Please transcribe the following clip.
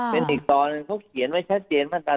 เป็นอีกตอนหนึ่งเขาเขียนไว้ชัดเจนมาตรา๑